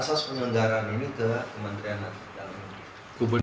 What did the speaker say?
asas penyelenggaraan ini ke kementerian nanti